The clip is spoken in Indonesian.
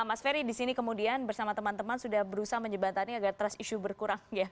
mas ferry di sini kemudian bersama teman teman sudah berusaha menjebatani agar trust issue berkurang ya